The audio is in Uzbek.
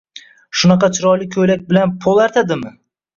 Shunaqa chiroyli ko`ylak bilan pol artadimi